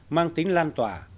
mang tính lan tỏa